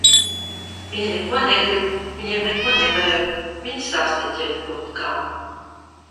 Viņi neko negrib, viņiem neko nevajag, viņi sastiķē kaut kam.